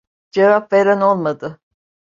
Cevap veren olmadı.